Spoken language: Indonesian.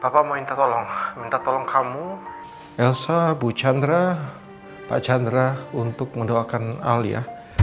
bapak mau minta tolong minta tolong kamu elsa bu chandra pak chandra untuk mendoakan alia